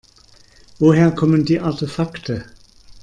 Woher kommen die Artefakte?